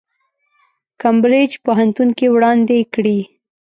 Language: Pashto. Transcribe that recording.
کمبریج پوهنتون کې وړاندې کړي.